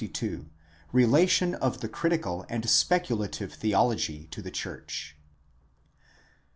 RELATION OF THE CRITICAL AND SPECULATIVE THEOLOGY TO THE CHURCH.